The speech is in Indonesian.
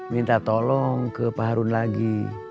minta tolong ke paharun lagi